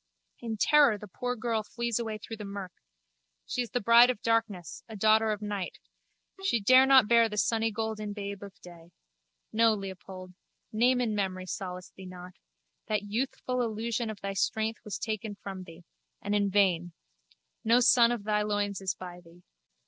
In terror the poor girl flees away through the murk. She is the bride of darkness, a daughter of night. She dare not bear the sunnygolden babe of day. No, Leopold. Name and memory solace thee not. That youthful illusion of thy strength was taken from thee—and in vain. No son of thy loins is by thee.